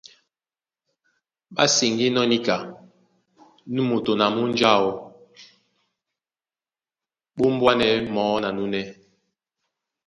Ɓá seŋgínɔ́ níka nú moto na nú munja áō ɓá ombwanɛ̌ mɔɔ́ na núnɛ́.